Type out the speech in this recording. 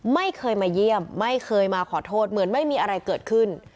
ไม่เคยมาเยี่ยมไม่เคยมาขอโทษเหมือนไม่มีอะไรเกิดขึ้น